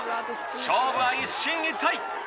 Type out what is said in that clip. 勝負は一進一退。